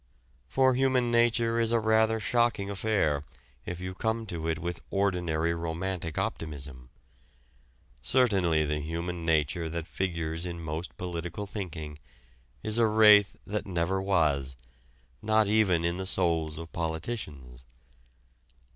For human nature is a rather shocking affair if you come to it with ordinary romantic optimism. Certainly the human nature that figures in most political thinking is a wraith that never was not even in the souls of politicians.